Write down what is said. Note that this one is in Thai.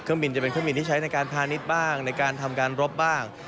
บินจะเป็นเครื่องบินที่ใช้ในการพาณิชย์บ้างในการทำการรบบ้าง